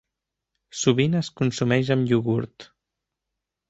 Sovint es consumeix amb iogurt.